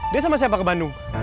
dia sama siapa ke bandung